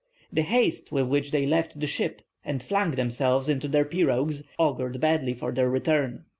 The haste with which they left the ship, and flung themselves into their pirogues, augured badly for their return.